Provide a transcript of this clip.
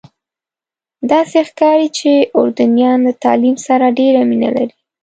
داسې ښکاري چې اردنیان له تعلیم سره ډېره مینه لري.